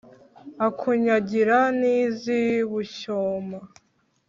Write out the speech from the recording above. akunyagira n'iz'i bushyoma